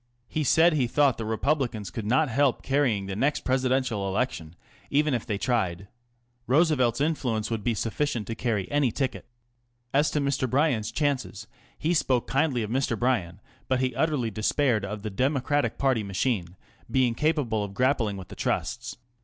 He said he thought the Republicans could not help carrying the next Presidential Election even if they tried. Roosevelt's influence would be sufficient to carry any ticket. As to Mr. Bryan's chances, he spoke kindly of Mr. Bryan, but he utterly despaired of the Democratic party machine being capable of grappling with the Trusts.